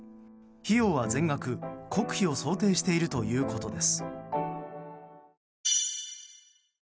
費用は全額、国費を想定しているということです。